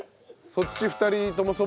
そっち２人ともそばだ。